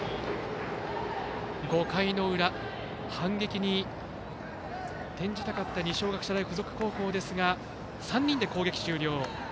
５回の裏、反撃に転じたかった二松学舎大付属高校ですが３人で攻撃終了。